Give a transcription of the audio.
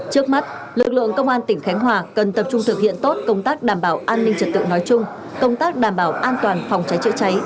trước mắt lực lượng công an tỉnh khánh hòa cần tập trung thực hiện tốt công tác đảm bảo an ninh trật tự nói chung công tác đảm bảo an toàn phòng cháy chữa cháy